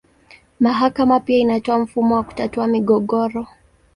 Mahakama pia inatoa mfumo wa kutatua migogoro.